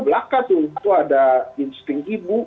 belaka tuh ada insting ibu